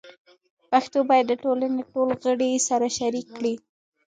پښتو باید د ټولنې ټول غړي سره شریک کړي.